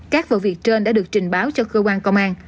các vụ việc trên đã được trình báo cho cơ quan công an